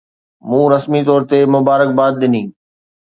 مون رسمي طور تي مبارڪباد ڏني.